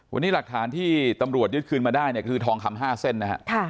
วันนี้หลักฐานที่ตำรวจยึดคืนมาได้เนี่ยคือทองคำ๕เส้นนะฮะ